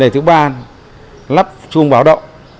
thứ ba là lắp chuông báo động